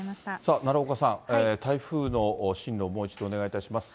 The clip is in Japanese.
奈良岡さん、台風の進路、もう一度お願いいたします。